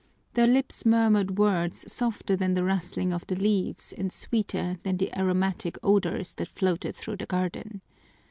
Their lips murmured words softer than the rustling of the leaves and sweeter than the aromatic odors that floated through the garden.